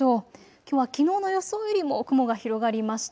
きょうはきのうの予想よりも雲が広がりました。